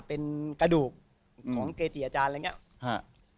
เป็นกระดูกของเกจิอาจารย์อะไรอย่างนี้